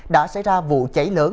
đã xảy ra vụ cháy lớn